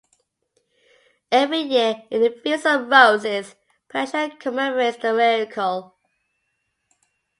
Every year, in the Feast of Roses, Persia commemorates the miracle.